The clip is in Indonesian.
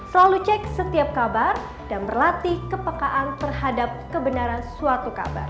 selalu cek setiap kabar dan berlatih kepekaan terhadap kebenaran suatu kabar